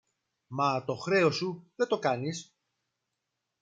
μα το χρέος σου δεν το κάνεις!